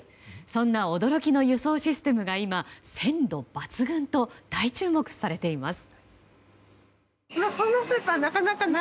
そんな驚きの輸送システムが今鮮度抜群と大注目されています。